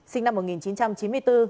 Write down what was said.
sinh năm một nghìn chín trăm chín mươi bốn